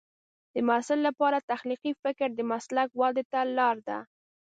د محصل لپاره تخلیقي فکر د مسلک ودې ته لار ده.